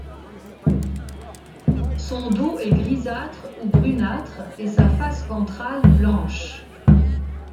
Son dos est grisâtre ou brunâtre et sa face ventrale blanche.